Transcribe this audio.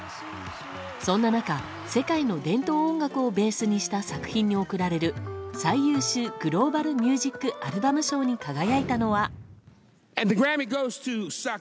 そんな中、世界の伝統音楽をベースにした作品に贈られる最優秀グローバル・ミュージック・アルバム賞に輝いたのは。